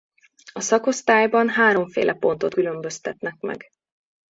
A szakosztályban háromféle pontot különböztetnek meg.